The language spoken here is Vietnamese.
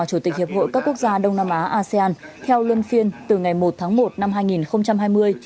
chủ tịch hiệp hội các quốc gia đông nam á asean theo luân phiên từ ngày một tháng một năm hai nghìn hai mươi